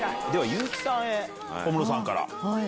ではＹＵーＫＩさんへ、小室さんから。